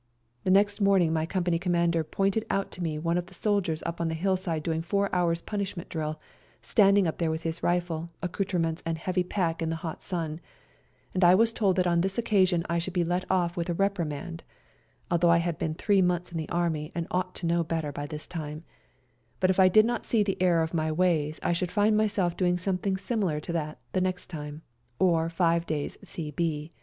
The next morning my company Commander pointed out to me one of the soldiers up on the hillside doing four hours' punishment drill, standing up there with his rifle, accoutrements and heavy pack in the hot sun, and I was told that on this occasion I should be let off with a reprimand (although I had been three months in the Army and ought to know better by this time), but if I did not see the error of my ways I should find myself doing something similar to that next time, or five days' C.